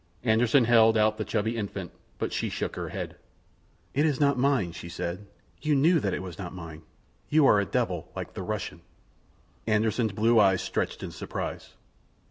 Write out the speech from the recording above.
Anderssen held out the chubby infant, but she shook her head. "It is not mine," she said. "You knew that it was not mine. You are a devil like the Russian." Anderssen's blue eyes stretched in surprise.